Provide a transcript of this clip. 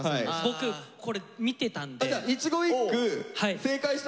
僕これ見てたんで。